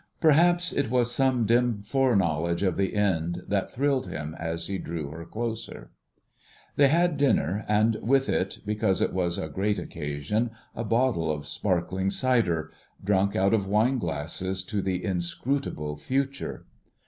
Perhaps it was some dim foreknowledge of the end that thrilled him as he drew her closer. They had dinner, and with it, because it was such a great occasion, a bottle of "Sparkling Cider," drunk out of wine glasses to the inscrutable Future.